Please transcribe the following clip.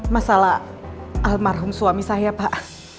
masalah almarhum suami saya pak